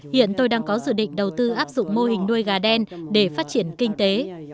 hiện tôi đang có dự định đầu tư áp dụng mô hình nuôi gà đen để phát triển kinh tế